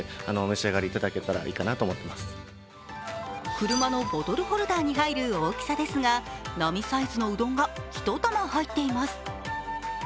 車のボトルホルダーに入る大きさですが、並サイズのうどんが、１玉入っています。